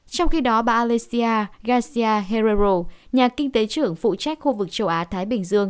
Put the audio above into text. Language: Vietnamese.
trong khi đó bà alicia garcia herrero nhà kinh tế trưởng phụ trách khu vực châu á thái bình dương